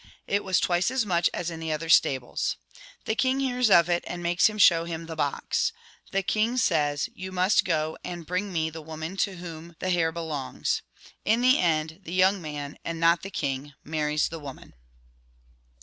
It was twice as much as in the other stables. ' The king hears of it, and makes him show him the box. The king says, ' You must go and bring me the woman to whom the hair belongs.' In the end, the young man, and not the king, marries the woman.